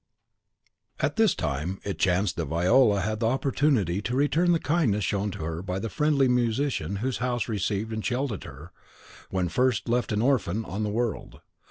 At this time it chanced that Viola had the opportunity to return the kindness shown to her by the friendly musician whose house had received and sheltered her when first left an orphan on the world.